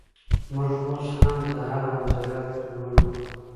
موږ اوس هم د هغه نظريات لولو.